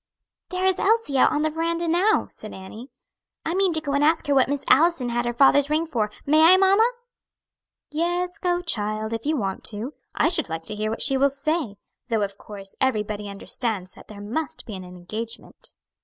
"There is Elsie out on the veranda, now," said Annie. "I mean to go and ask her what Miss Allison had her father's ring for; may I, mamma?" "Yes; go, child, if you want to; I should like to hear what she will say; though, of course, everybody understands that there must be an engagement."